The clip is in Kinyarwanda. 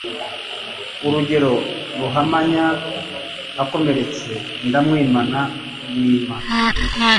urugero ... ruhamanya akomeretse ndamwimana mwima